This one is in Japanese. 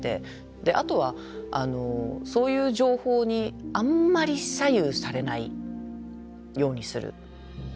であとはそういう情報にあんまり左右されないようにする。